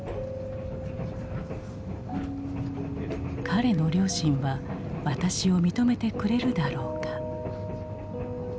彼の両親は私を認めてくれるだろうか。